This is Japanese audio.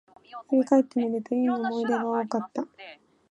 振り返ってみると、良い思い出が多かった